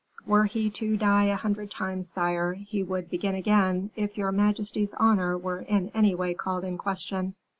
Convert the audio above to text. "Were he to die a hundred times, sire, he would begin again if your majesty's honor were in any way called in question."